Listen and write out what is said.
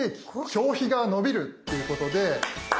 消費が伸びる！」ということで。